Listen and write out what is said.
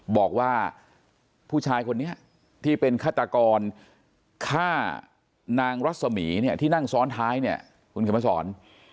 บอกว่าผู้ชายคนนี้ที่เป็นฆาตกรฆ่านางรัศมีเนี่ยที่นั่งซ้อนท้ายเนี่ยคุณเขียนมาสอน